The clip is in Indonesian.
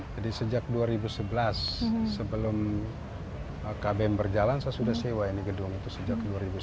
jadi sejak dua ribu sebelas sebelum kbm berjalan saya sudah sewa gedung itu sejak dua ribu sebelas